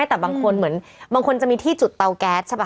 แต่บางคนเหมือนบางคนจะมีที่จุดเตาแก๊สใช่ป่